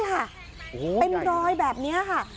โอ้โหใหญ่เป็นรอยแบบนี้ค่ะ